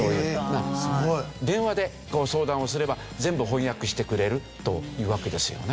電話で相談をすれば全部翻訳してくれるというわけですよね。